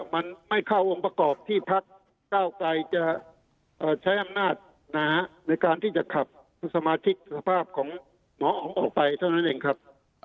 มันไม่เข้าองค์ประกอบที่พักเก้าไกรจะใช้อำนาจในการที่จะขับสมาชิกสภาพของหมออ๋องออกไปเท่านั้นเองครับ